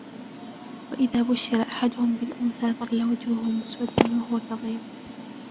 وإذا بشر أحدهم بالأنثى ظل وجهه مسودا وهو كظيم